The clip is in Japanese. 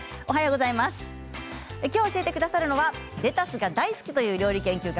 今日教えてくださるのはレタスが大好きという料理研究家